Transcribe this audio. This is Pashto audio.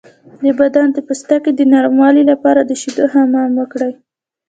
د بدن د پوستکي د نرمولو لپاره د شیدو حمام وکړئ